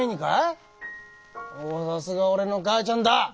おおさすが俺の母ちゃんだ。